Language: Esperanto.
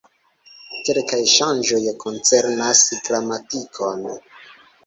Kelkaj ŝanĝoj koncernas gramatikon.